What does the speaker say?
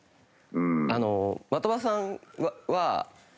あの的場さんは。